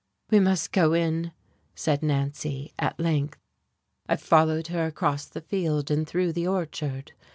"We must go in," said Nancy, at length. I followed her across the field and through the orchard.